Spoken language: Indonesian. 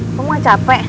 aku mau capek